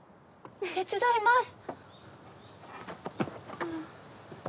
手伝います！